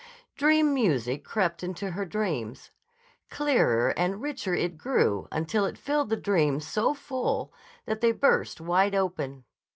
Dream music crept into her dreams. Clearer and richer it grew until it filled the dreams so full that they burst wide open.